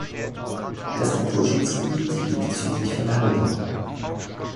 Das Naturschutzgebiet liegt südlich von Hannover.